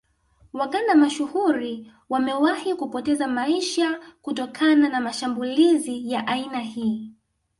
Waganda mashuhuri wamewahi kupoteza maisha kutokana na mashmbulizi ya aina hii